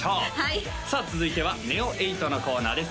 はいさあ続いてはＮＥＯ８のコーナーです